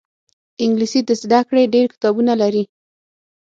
انګلیسي د زده کړې ډېر کتابونه لري